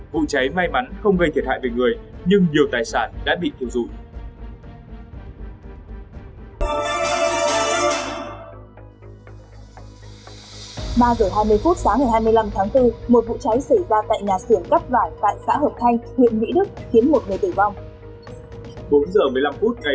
vụ cháy may mắn không gây thiệt hại về người nhưng nhiều tài sản đã bị thiêu dụi